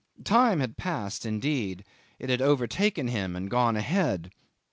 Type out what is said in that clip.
Time had passed indeed: it had overtaken him and gone ahead.